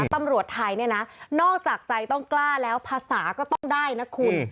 ตำรวจไทยเนี่ยนะนอกจากใจต้องกล้าแล้วภาษาก็ต้องได้นะคุณ